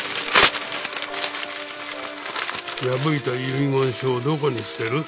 破いた遺言書をどこに捨てる？